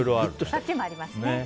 そっちもありますね。